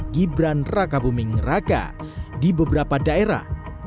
gibran raka buming raka di beberapa daerah